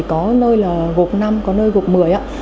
có nơi là gộp năm có nơi là gộp một mươi